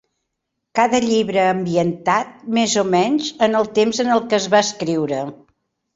Cada llibre ambientat, més o menys, en el temps en el que es va escriure.